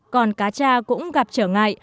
còn cá da cũng gặp trở ngại